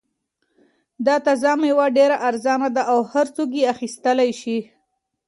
دا تازه مېوه ډېره ارزان ده او هر څوک یې اخیستلای شي.